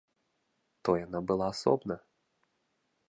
То яна была асобна.